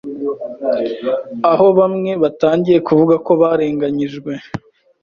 aho bamwe batangiye kuvuga ko barenganyijwe